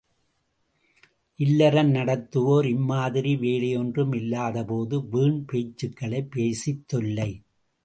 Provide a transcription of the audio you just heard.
இல்லறம் நடத்துவோர் இம்மாதிரி வேலையொன்றும் இல்லாதபோது வீண் பேச்சுக்களைப் பேசித் தொல்லை.